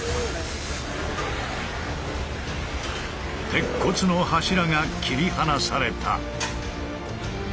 鉄骨の柱が切り離された。